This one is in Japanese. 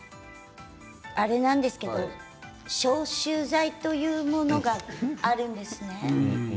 あれなんですけど消臭剤というものがあるんですね。